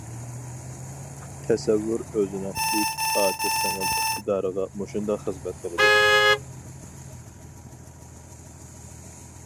تەسەۋۋۇر ئۆزىنىڭ ئۈچ ئاچا-سىڭىل ئىقتىدارىغا مۇشۇنداق خىزمەت قىلىدۇ.